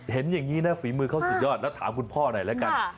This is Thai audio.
เห็นอย่างนี้นะฝีมือเขาสุดยอดแล้วถามคุณพ่อหน่อยแล้วกัน